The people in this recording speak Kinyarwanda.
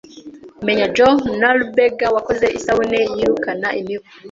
Menya Joan Nalubega wakoze isabune yirukana imibu